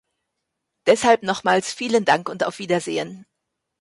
Deshalb nochmals vielen Dank und auf Wiedersehen.